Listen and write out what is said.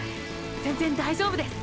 全然大丈夫です。